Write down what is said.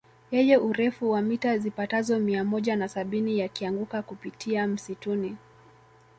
Yenye urefu wa mita zipatazo mia moja na sabini yakianguka kupitia msituni